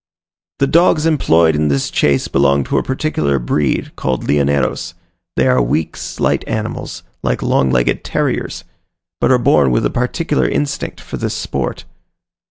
The dogs employed in this chase belong to a particular breed, called Leoneros: they are weak, slight animals, like long legged terriers, but are born with a particular instinct for this sport.